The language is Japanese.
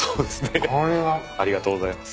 ありがとうございます。